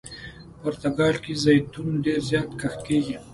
پرتګال کې زیتون ډېر زیات کښت کیږي.